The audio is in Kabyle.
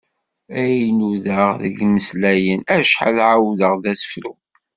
Ay nudaɣ deg imeslayen, acḥal ɛawdeɣ d asefru!